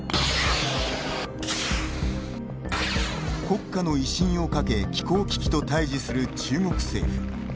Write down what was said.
国家の威信をかけ気候危機と対じする中国政府。